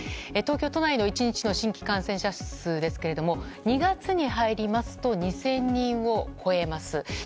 東京都内の１日の新規感染者数ですが２月に入りますと２０００人を超えます。